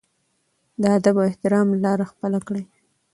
د ادب او احترام لار خپله کړي.